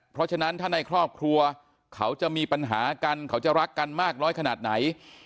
เพราะฉะนั้นถ้าในครอบครัวเขาจะมีปัญหากันเขาจะรักกันมากน้อยขนาดไหน